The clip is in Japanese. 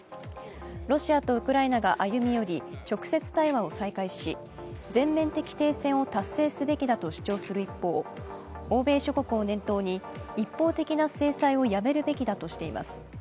ロシアとウクライナが歩み寄り、直接対話を再開し全面的停戦を達成すべきだと主張する一方、欧米諸国を念頭に、一方的な制裁をやめるべきだとしています。